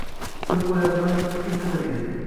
bir qo’lyozmani ikki yil qidirdik.